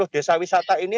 lima puluh desa wisata ini